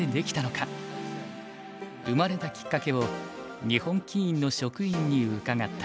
生まれたきっかけを日本棋院の職員に伺った。